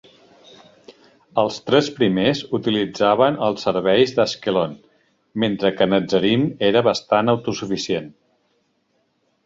Els tres primers utilitzaven els serveis d'Ashkelon, mentre que Netzarim era bastant autosuficient.